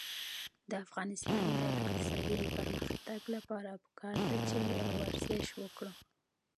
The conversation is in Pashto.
د افغانستان د اقتصادي پرمختګ لپاره پکار ده چې ورزش وکړو.